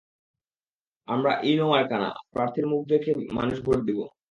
আমরার ইনও মার্কা না, প্রার্থীর মুখ দেখি দেখি মানুষ ভোট দিব।